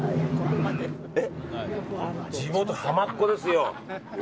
地元、浜っ子ですよ。